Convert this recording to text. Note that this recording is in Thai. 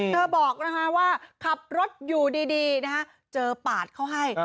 เธอบอกว่าขับรถอยู่ดีนะฮะเจอปาดเขาให้